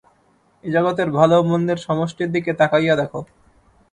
এই জগতের ভাল ও মন্দের সমষ্টির দিকে তাকাইয়া দেখ।